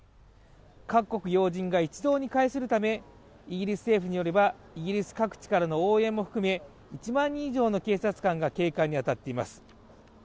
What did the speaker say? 各国要人が一堂に会するためイギリス政府によればイギリス各地からの応援も含め１万人以上の警察官が警戒に当たっています